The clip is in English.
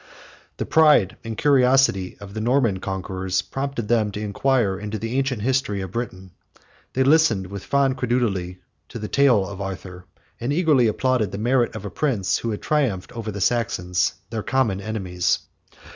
The pride and curiosity of the Norman conquerors prompted them to inquire into the ancient history of Britain: they listened with fond credulity to the tale of Arthur, and eagerly applauded the merit of a prince who had triumphed over the Saxons, their common enemies.